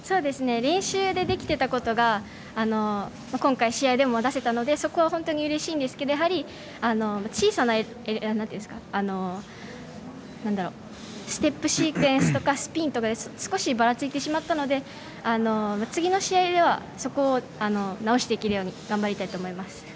練習でできていたことが今回、試合でも出せたのでそこは本当にうれしいんですがやはり小さなステップシークエンスとかスピンとかで少しばらついてしまったので次の試合ではそこを直していけるように頑張りたいと思います。